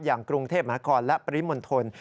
อย่างกรุงเทพมหานครและปริมณฑล